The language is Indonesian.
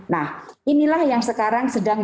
nah inilah yang sekarang sedang